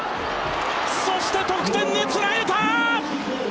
そして、得点につなげた！